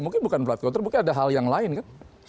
mungkin bukan flight conter mungkin ada hal yang lain kan